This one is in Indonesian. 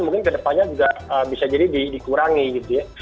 mungkin ke depannya juga bisa jadi dikurangi gitu ya